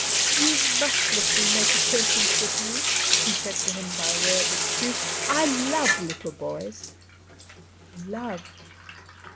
"You must let me make acquaintance with you," she said to him by way of excuse. "I love little boys." Love!